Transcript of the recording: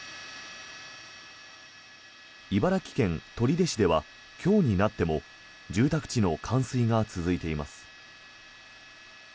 茨城県取手市では今日になっても住宅地の冠水が続いています。